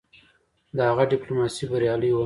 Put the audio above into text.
د هغه ډيپلوماسي بریالی وه.